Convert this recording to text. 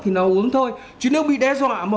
thì nó uống thôi chứ nếu bị đe dọa